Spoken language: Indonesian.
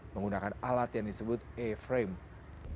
menggunakan alat yang disebut e frame